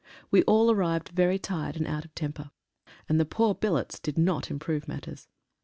We all arrived very tired and out of temper, and the poor billets did not improve matters.